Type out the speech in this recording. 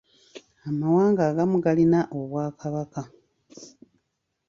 Amawanga agamu galina obw'akabaka.